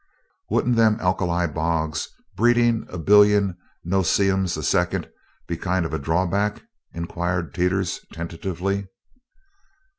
"Wouldn't them alkali bogs breedin' a billion 'no see 'ems' a second be kind of a drawback?" inquired Teeters tentatively.